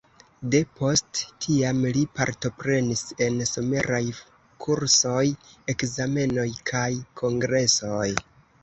De post tiam li partoprenis en someraj kursoj, ekzamenoj kaj kongresoj.